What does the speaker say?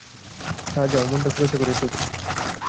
তা যাও, মনটা খোলসা করে এসো গে।